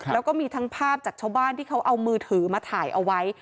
แล้วก็มีทั้งภาพจากชาวบ้านที่เขาเอามือถือมาถ่ายเอาไว้